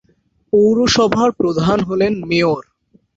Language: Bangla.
পৌরসভার প্রধান হলেন মেয়র।